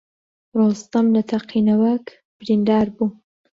ڕۆستەم لە تەقینەوەک بریندار بوو.